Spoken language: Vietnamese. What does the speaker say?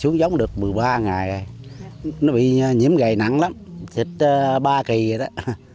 ba ngày rồi nó bị nhiễm gầy nặng lắm xịt ba kỳ rồi đó